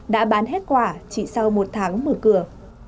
đã bán hết quả chỉ sau một tháng mở cửa